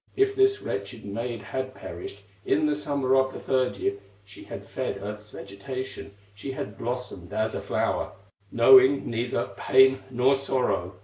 If this wretched maid had perished, In the summer of the third year, She had fed earth's vegetation, She had blossomed as a flower, Knowing neither pain nor sorrow."